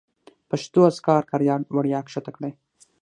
پښتو اذکار کاریال وړیا کښته کړئ